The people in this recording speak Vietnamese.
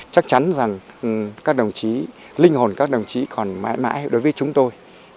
chắc chắn rằng các đồng chí linh hồn các đồng chí còn mãi mãi đối với chúng tôi